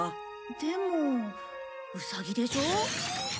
でもウサギでしょ？